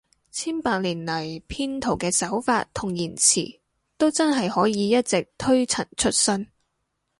千百年來，騙徒嘅手法同言辭都真係可以一直推陳出新